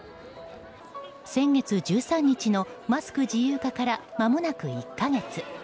先月１３日のマスク自由化からまもなく１か月。